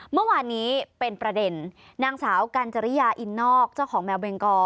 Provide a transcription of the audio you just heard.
เมื่อวานนี้เป็นประเด็นนางสาวกัญจริยาอินนอกเจ้าของแมวเบงกอ